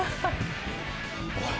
おい。